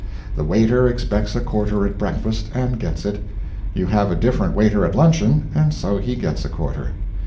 The waiter expects a quarter at breakfast and gets it. You have a different waiter at luncheon, and so he gets a quarter.